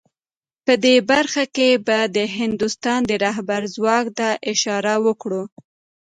په دې برخه کې به د هندوستان د رهبر ځواک ته اشاره وکړو